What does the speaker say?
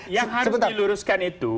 yang harus diluruskan itu